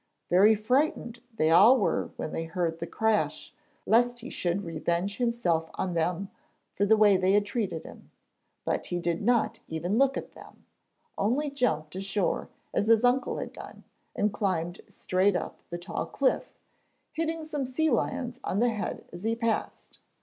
Very frightened they all were when they heard the crash, lest he should revenge himself on them for the way they had treated him. But he did not even look at them, only jumped ashore as his uncle had done, and climbed straight up the tall cliff, hitting some sea lions on the head as he passed.